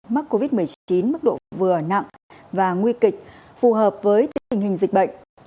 mắc covid một mươi chín mức độ vừa nặng và nguy kịch phù hợp với tình hình dịch bệnh